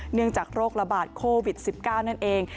เนื่องจากโรคระบาดโควิด๑๙นั่นเอง